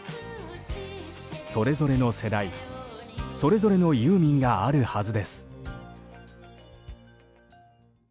それぞれの世代、それぞれのユーミンがあるはずです。